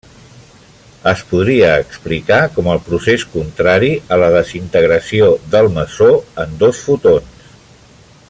Es podria explicar com el procés contrari a la desintegració del mesó en dos fotons.